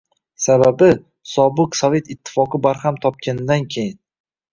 Sababi – sobiq Sovet Ittifoqi barham topganidan keyin